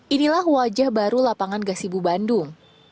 inilah wajah baru lapangan gasi bu bandung